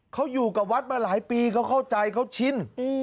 เขาอยู่กับวัดมาหลายปีเขาเข้าใจเขาชิน